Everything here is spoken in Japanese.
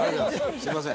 すみません。